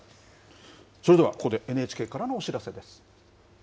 それではここでＮＨＫからのお知らせです。